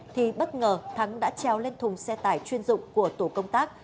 thì bất ngờ thắng đã treo lên thùng xe tải chuyên dụng của tổ công tác